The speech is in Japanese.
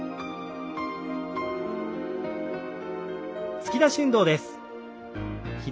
突き出し運動です。